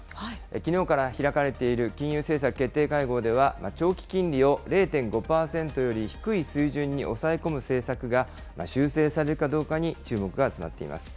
きのうから開かれている金融政策決定会合では、長期金利を０．５％より低い水準に抑え込む政策が修正されるかどうかに注目が集まっています。